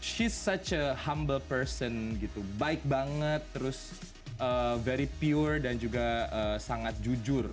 sheast souch a humble person gitu baik banget terus very pure dan juga sangat jujur